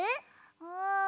うん。